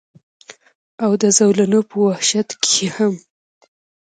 او د زولنو پۀ وحشت کښې هم